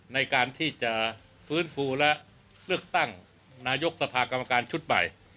ในการที่จะฟื้นฟูและเลือกตั้งนายกสภากรรมการชุดใหม่